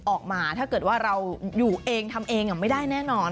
ออกมาถ้าเกิดว่าเราอยู่เองทำเองไม่ได้แน่นอน